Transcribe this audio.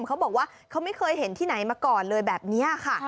เขาบอกว่าเขาไม่เคยเห็นที่ไหนมาก่อนเลยแบบนี้ค่ะ